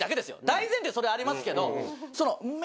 大前提それありますけど。